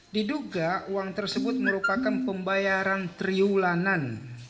diduga uang tersebut merupakan pembayaran triwulanan